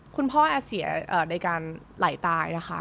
พ่อเสียในการไหลตายนะคะ